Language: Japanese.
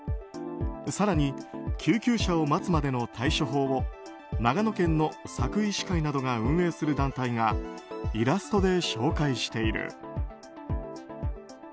更に、救急車を待つまでの対処法を長野県の佐久医師会などが運営する団体がイラストで紹介している。